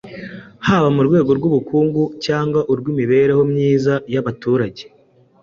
haba mu rwego rw’ubukungu cyangwa urw’imibereho myiza y’abaturage.